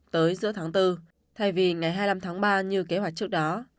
tới giữa tháng bốn thay vì ngày hai mươi năm tháng ba như kế hoạch trước đó